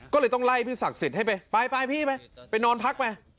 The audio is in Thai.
ก็เลยต้องไล่พี่ศักดิ์สิทธิ์ให้ไปไปพี่ไปไปนอนพักไป